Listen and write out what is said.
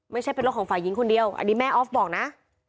ไม่ใช่เป็นรถของฝ่ายหญิงคนเดียวอันนี้แม่ออฟบอกนะ